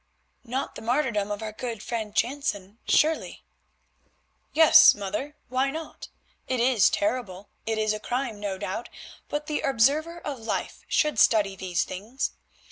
"Not the martyrdom of our good friend, Jansen, surely?" "Yes, mother, why not? It is terrible, it is a crime, no doubt, but the observer of life should study these things.